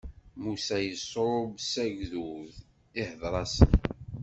Musa iṣubb s agdud, ihdeṛ-asen.